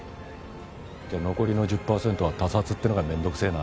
じゃあ残りの１０パーセントは他殺ってのが面倒くせえな。